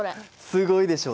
すごいでしょ？